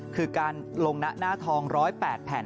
คือการลงนะหน้าทอง๑๐๘แผ่น